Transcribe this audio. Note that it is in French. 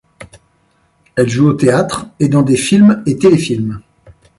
Elle joue au théâtre et dans des films et téléfilms.